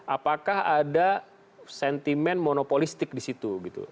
apakah ada sentimen monopolistik disitu gitu